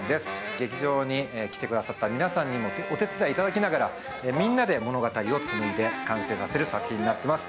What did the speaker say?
劇場に来てくださった皆さんにもお手伝いいただきながら、みんなで物語を完成させる作品になってます。